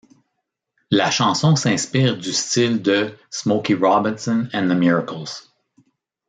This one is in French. La chanson s'inspire du style de Smokey Robinson & the Miracles.